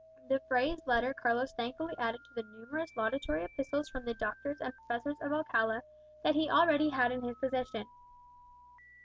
The Fray's letter Carlos thankfully added to the numerous laudatory epistles from the doctors and professors of Alcala that he already had in his possession.